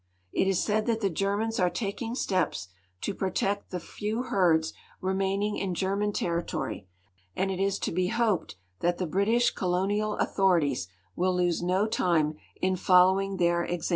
It is said that tin* Cermaiis are taking stejis to protect the few herds remaining in Cernian ti rritory, and it is to be lioiicd that the British colonial authorities will lose no time in following their exanqile.